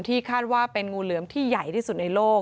คาดว่าเป็นงูเหลือมที่ใหญ่ที่สุดในโลก